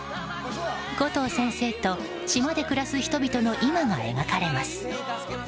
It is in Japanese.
コトー先生と島で暮らす人々の今が描かれます。